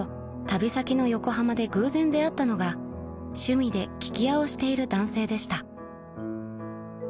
旅先の横浜で偶然出会ったのが趣味で聞き屋をしている男性でした］